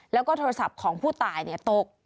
แล้วก็โทรศัพท์ของผู้ตายตก